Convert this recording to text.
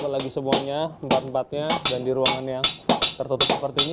lagi semuanya empat empatnya dan di ruangan yang tertutup seperti ini